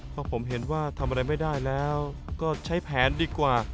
พอผมเห็นว่าทำอะไรไม่ได้แล้วก็ใช้แผนดีกว่า